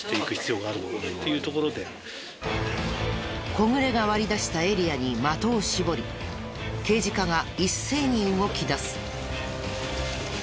小暮が割り出したエリアに的を絞り刑事課が一斉に動き出す。